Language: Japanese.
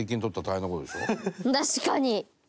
確かに。